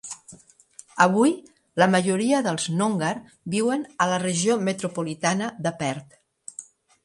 Avui, la majoria dels Noongar viuen a la Regió Metropolitana de Perth.